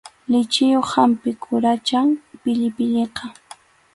Lichiyuq hampi quracham pillipilliqa.